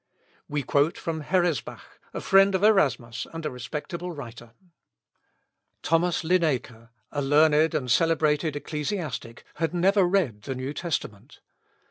We quote from Heresbach, a friend of Erasmus, and a respectable writer. Thomas Linacer, a learned and celebrated ecclesiastic, had never read the New Testament.